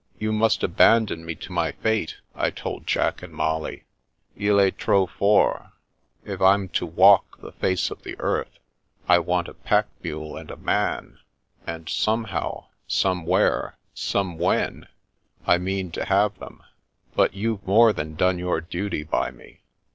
" You must abandon me to my fate," I told Jack and Molly. " II est trop fort. If I'm to walk the face of the earth, I want a pack mule and a man ; and, * somehow, somewhere, somewhen,' I mean to have them. But you've more than done your duty by me.